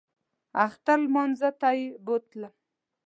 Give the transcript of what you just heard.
اختر لمانځه ته یې بوتلم.